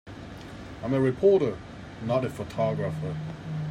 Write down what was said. I'm a reporter not a photographer.